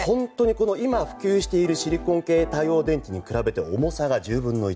今、普及しているシリコン系太陽電池に比べて重さが１０分の１。